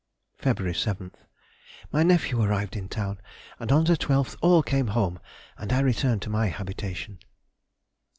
Feb. 7th.—My nephew arrived in town, and on the 12th all came home and I returned to my habitation.